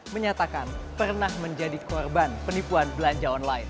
menyatakan pernah menjadi korban penipuan belanja online